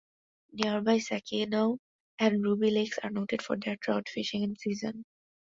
Nearby Sakinaw and Ruby Lakes are noted for their trout fishing in season.